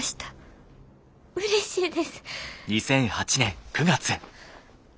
うれしいです。